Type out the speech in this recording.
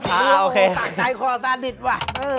ต่างใจคอสาดิตว่ะ